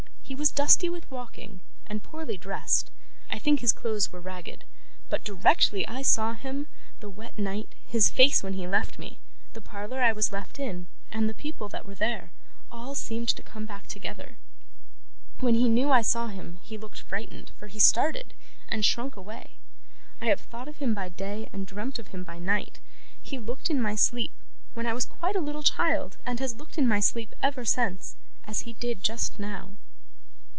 He was dusty with walking, and poorly dressed I think his clothes were ragged but directly I saw him, the wet night, his face when he left me, the parlour I was left in, and the people that were there, all seemed to come back together. When he knew I saw him, he looked frightened; for he started, and shrunk away. I have thought of him by day, and dreamt of him by night. He looked in my sleep, when I was quite a little child, and has looked in my sleep ever since, as he did just now.